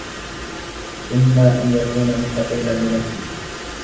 إمَّا أَنْ يَكُونَ مُسْتَقِلًّا بِنَفْسِهِ